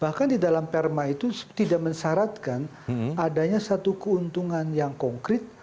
bahkan di dalam perma itu tidak mensyaratkan adanya satu keuntungan yang konkret